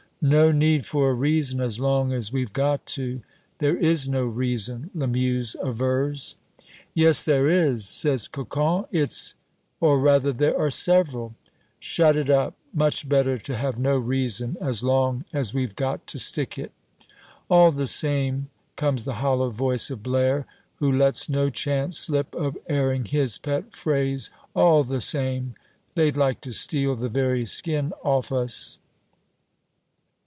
"No need for a reason, as long as we've got to." "There is no reason," Lamuse avers. "Yes, there is," says Cocon. "It's or rather, there are several." "Shut it up! Much better to have no reason, as long as we've got to stick it." "All the same," comes the hollow voice of Blaire, who lets no chance slip of airing his pet phrase "All the same, they'd like to steal the very skin off us!"